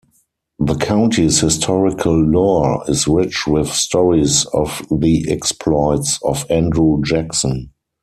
The County's historical lore is rich with stories of the exploits of Andrew Jackson.